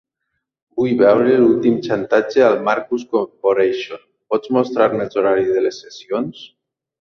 Vull veure "L'últim xantatge" al Marcus Corporation, pots mostrar-me els horaris de les sessions?